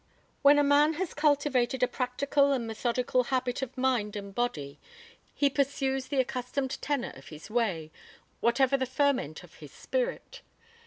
XXV When a man has cultivated a practical and methodical habit of mind and body he pursues the accustomed tenor of his way, whatever the ferment of his spirit.